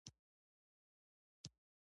د چای پیاله د ارام نښه ده.